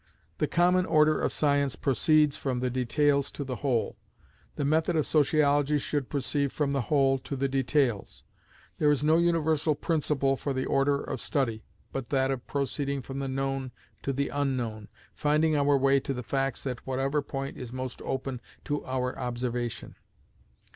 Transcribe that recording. The common order of science proceeds from the details to the whole. The method of Sociology should proceed from the whole to the details. There is no universal principle for the order of study, but that of proceeding from the known to the unknown; finding our way to the facts at whatever point is most open to our observation.